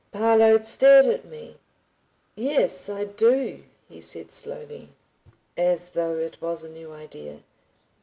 Parload stared at me. "Yes, I do," he said slowly, as though it was a new idea.